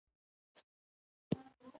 ښه یاري د غلو وه خو په وېش يې سره ورانه کړه.